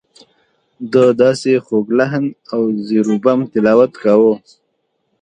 ده داسې خوږ لحن او زیر و بم تلاوت کاوه.